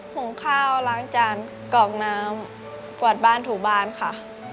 หุงข้าวล้างจานกรอกน้ำกวาดบ้านถูบ้านค่ะ